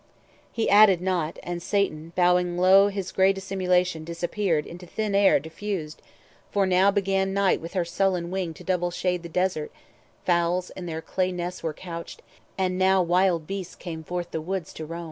He added not; and Satan, bowling low His gray dissimulation, disappeared, Into thin air diffused: for now began Night with her sullen wing to double shade 500 The desert; fowls in their clay nests were couched; And now wild beasts came forth the woods to roam.